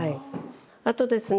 あとですね